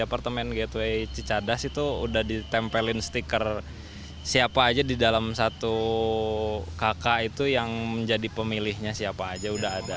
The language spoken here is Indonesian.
apartemen gateway cicadas itu udah ditempelin stiker siapa aja di dalam satu kakak itu yang menjadi pemilihnya siapa aja udah ada